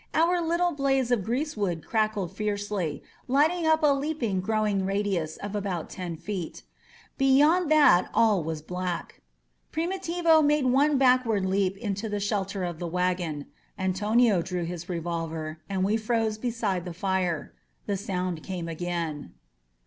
Our little blaze of greasewood crackled fiercely, lighting up a leaping, glowing radius of about ten feet. Beyond that all was black. Frimitivo made one backward leap into the shel ter of the wagon; Antonio drew his revolver, and we froze beside the fire. The sound came again.